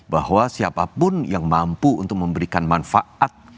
bahwa siapapun yang mampu untuk memberikan manfaat